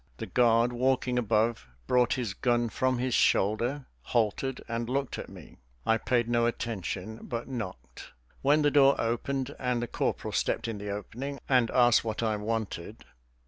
The guard walking above brought his gun from his shoulder, halted, and looked at me. I paid no attention, but knocked, when the door opened, and the corporal stepped in the opening and asked what I wanted.